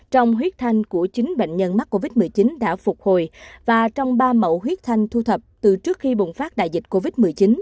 trong huyết thanh của chín bệnh nhân mắc covid một mươi chín đã phục hồi và trong ba mẫu huyết thanh thu thập từ trước khi bùng phát đại dịch covid một mươi chín